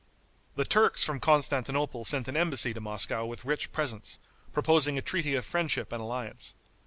The Turks from Constantinople sent an embassy to Moscow with rich presents, proposing a treaty of friendship and alliance.